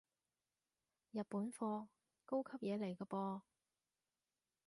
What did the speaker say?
日本貨，高級嘢嚟個噃